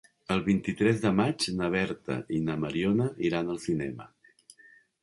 El vint-i-tres de maig na Berta i na Mariona iran al cinema.